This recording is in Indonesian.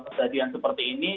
kesedihan seperti ini